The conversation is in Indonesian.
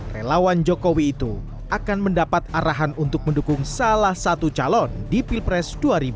relawan jokowi itu akan mendapat arahan untuk mendukung salah satu calon di pilpres dua ribu dua puluh